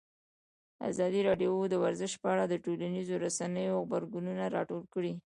ازادي راډیو د ورزش په اړه د ټولنیزو رسنیو غبرګونونه راټول کړي.